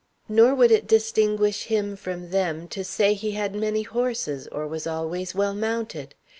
Nor would it distinguish him from them to say he had many horses or was always well mounted.